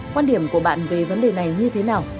quan điểm của bạn về vấn đề này như thế nào